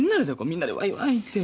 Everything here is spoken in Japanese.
みんなでワイワイって。